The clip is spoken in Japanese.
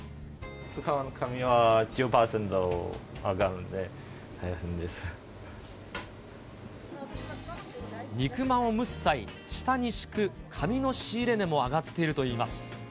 使う紙は１０％上がって、肉まんを蒸す際、下に敷く紙の仕入れ値も上がっているといいます。